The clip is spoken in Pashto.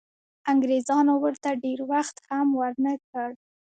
انګریزانو ورته ډېر وخت هم ورنه کړ.